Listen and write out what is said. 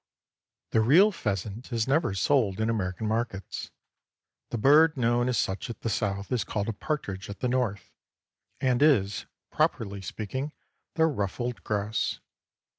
The real pheasant is never sold in American markets. The bird known as such at the South is called a partridge at the North, and is, properly speaking, the ruffled grouse.